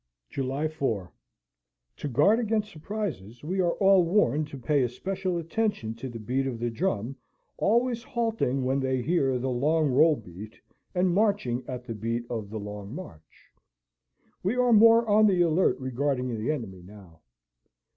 "July 4. To guard against surprises, we are all warned to pay especial attention to the beat of the drum; always halting when they hear the long roll beat, and marching at the beat of the long march. We are more on the alert regarding the enemy now.